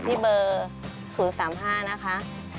ที่เบอร์๐๓๕๔๕๐๑๕๕ค่ะ